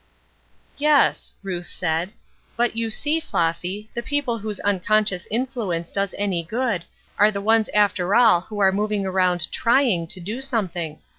"Yes," Ruth, said, "but you see, Flossy, the people whose unconscious influence does any good are the ones after all who are moving around trying to do something.